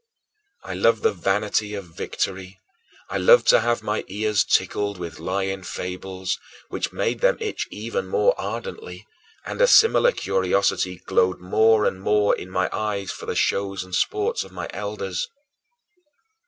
I loved the vanity of victory, and I loved to have my ears tickled with lying fables, which made them itch even more ardently, and a similar curiosity glowed more and more in my eyes for the shows and sports of my elders.